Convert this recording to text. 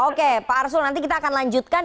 oke pak arsul nanti kita akan lanjutkan